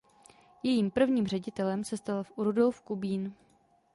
Jejím prvním ředitelem se stal Rudolf Kubín.